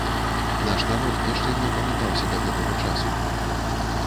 Наш народ яшчэ не апамятаўся да гэтага часу.